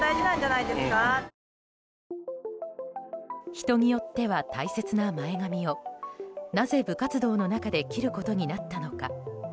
人によっては大切な前髪をなぜ、部活動の中で切ることになったのか。